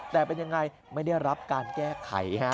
แต่เป็นยังไงไม่ได้รับการแก้ไข